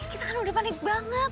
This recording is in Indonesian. kita kan udah panik banget